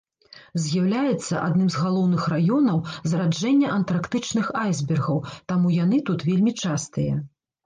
З'яўляецца адным з галоўных раёнаў зараджэння антарктычных айсбергаў, таму яны тут вельмі частыя.